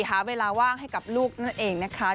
หาเวลาว่างให้กับลูกนั่นเองนะคะ